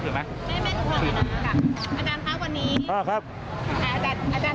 นะครับไม่ได้ใช่เลยค่ะอาจารย์ข้างกว่านี้